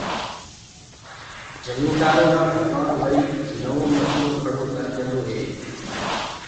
جميندآرو لآ ڀگوآن وري نوو مسلو کڙو ڪرديندو هي